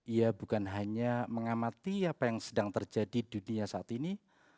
ia bukan hanya mengamati apa yang sedang terjadi di dunia saat ini